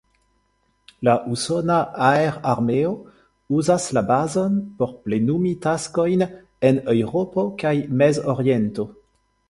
La usona aerarmeo uzas la bazon por plenumi taskojn en Eŭropo kaj Mez-Oriento.